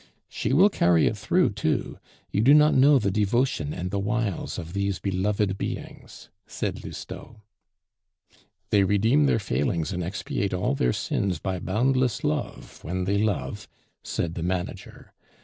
"She will carry it through too. You do not know the devotion and the wiles of these beloved beings," said Lousteau. "They redeem their failings and expiate all their sins by boundless love, when they love," said the manager.